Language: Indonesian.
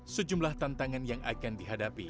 sejumlah tantangan yang akan dihadapi